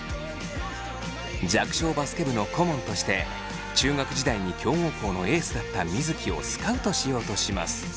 弱小バスケ部の顧問として中学時代に強豪校のエースだった水城をスカウトしようとします。